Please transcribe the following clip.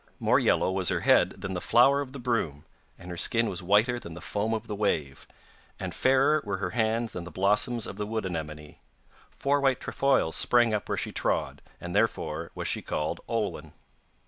More yellow was her head than the flower of the broom, and her skin was whiter than the foam of the wave, and fairer were her hands than the blossoms of the wood anemone. Four white trefoils sprang up where she trod, and therefore was she called Olwen.